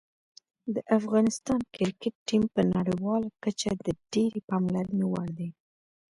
د افغانستان کرکټ ټیم په نړیواله کچه د ډېرې پاملرنې وړ دی.